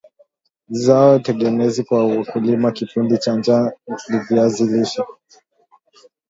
zao tegemezi kwa wakulima kipindi cha njaa ni viazi lishe